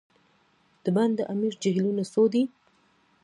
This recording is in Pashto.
د بند امیر جهیلونه څو دي؟